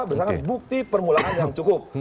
bersama bukti permulaan yang cukup